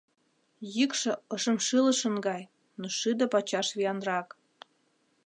Йӱкшӧ ошымшӱлышын гай, но шӱдӧ пачаш виянрак.